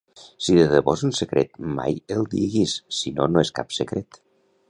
Si de debò és un secret mai el diguis sinó no és cap secret